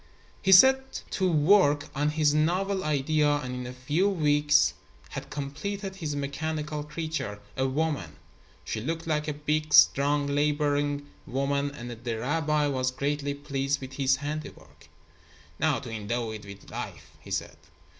He set to work on his novel idea and in a few weeks had completed his mechanical creature, a woman. She looked like a big, strong, laboring woman, and the rabbi was greatly pleased with his handiwork. "Now to endow it with life," he said.